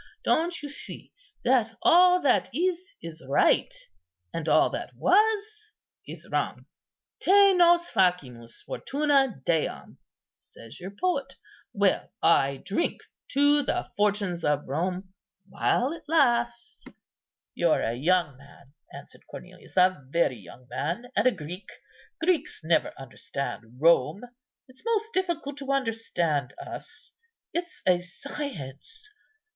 Don't you see that all that is, is right; and all that was, is wrong? 'Te nos facimus, Fortuna, deam,' says your poet; well, I drink 'to the fortunes of Rome,'—while it lasts." "You're a young man," answered Cornelius, "a very young man, and a Greek. Greeks never understand Rome. It's most difficult to understand us. It's a science.